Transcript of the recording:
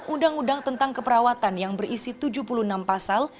undang undang tentang keperawatan yang berisi tujuh puluh enam pasal